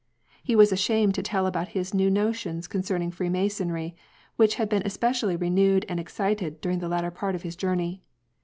He was ashamed to tell about his new notions concerning Freemasonry, which had been especially renewed and excited during the latter part of his journey.